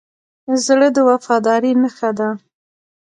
زړه د وفادارۍ نښه ده.